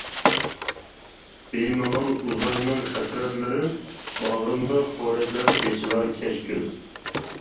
بىمالال ئۇزايمەن ھەسرەتلىرىم، باغرىمدا پورەكلەپ ئېچىلار كەچ كۈز.